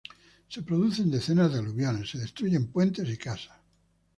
Se producen decenas de aluviones, se destruyen puentes y casas.